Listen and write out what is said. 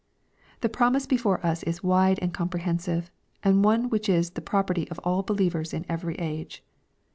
The promise before us is wide and comprehensive, and one which is the property of all believers in every age.